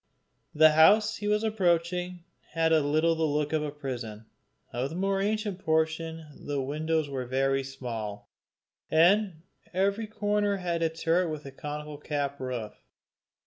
The house he was approaching had a little the look of a prison. Of the more ancient portion the windows were very small, and every corner had a turret with a conical cap roof.